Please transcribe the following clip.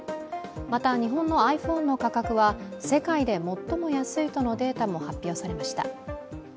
また、日本のｉＰｈｏｎｅの価格は世界で最も安いとのデータも発表されました。